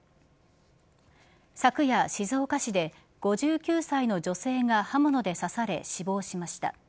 昨夜、静岡市で５９歳の女性が刃物で刺され死亡しました。